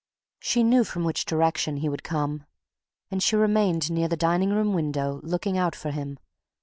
She knew from which direction he would come, and she remained near the dining room window looking out for him.